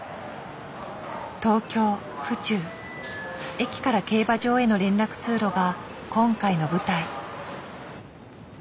駅から競馬場への連絡通路が今回の舞台。